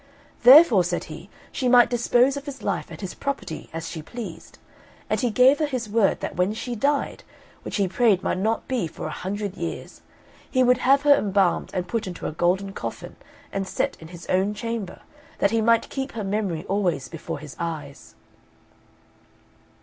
Therefore, said he, she might dispose of his life and his property as she pleased; and he gave her his word that when she died, which he prayed might not be for a hundred years, he would have her embalmed and put into a golden coffin, and set in his own chamber, that he might keep her memory always before his eyes.